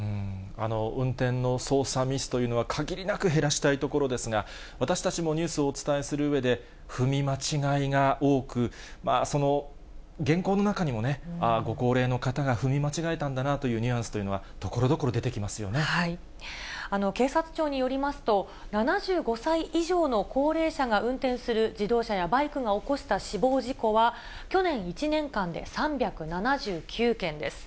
運転の操作ミスというのは、限りなく減らしたいところですが、私たちもニュースをお伝えするうえで、踏み間違えが多く、原稿の中にもね、ご高齢の方が踏み間違えたんだなというニュアンスというのは、警察庁によりますと、７５歳以上の高齢者が運転する自動車やバイクが起こした死亡事故は、去年１年間で３７９件です。